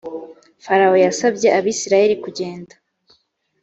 farawo yasabye abisirayeli kugenda